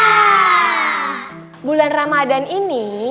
biasa disebut dengan bulan ramadhan